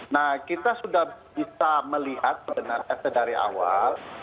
nah kita sudah bisa melihat sebenarnya dari awal